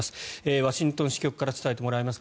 ワシントン支局から伝えてもらいます。